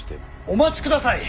お待ちください。